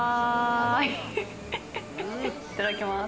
いただきます。